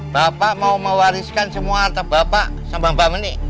bapak mau mewariskan semua harta bapak sama mbak meni